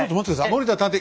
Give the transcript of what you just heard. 森田探偵